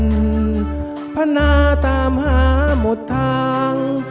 ตัวถิ่นพนาตามหาหมดทาง